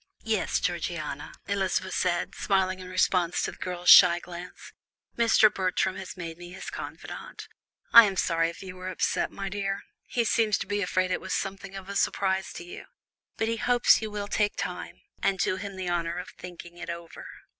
"Yes, Georgiana," Elizabeth said, smiling in response to the girl's shy glance, "Mr. Bertram has made me his confidante. I am sorry if you were upset, my dear; he seems to be afraid it was something of a surprise to you, but he hopes you will take time, and do him the honour of thinking it over."